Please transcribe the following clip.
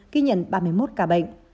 ghi nhận ba mươi một ca bệnh